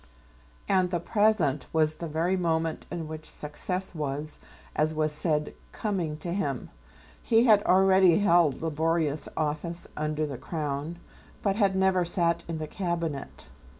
And the present was the very moment in which success was, as was said, coming to him. He had already held laborious office under the Crown, but had never sat in the Cabinet.